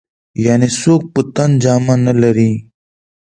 يعنې څوک په تن جامه نه لري.